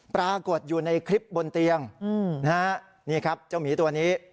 ปรากฏอยู่ในคลิปบนเตียงนะฮะนี่ครับเจ้าหมีตัวนี้